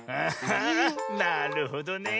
あなるほどねえ。